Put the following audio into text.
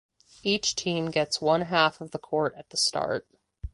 Each team gets one half of the court at the start.